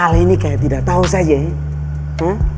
kali ini kayak tidak tau saja ya